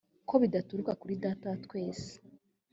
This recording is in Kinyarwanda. ko bidaturuka kuri data wa twese